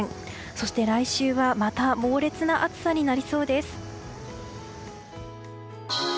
そして、来週はまた猛烈な暑さになりそうです。